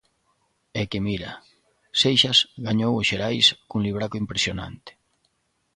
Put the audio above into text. É que mira, Seixas gañou o Xerais cun libraco impresionante.